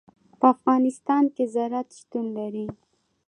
په افغانستان کې زراعت شتون لري.